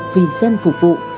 vì dân phục vụ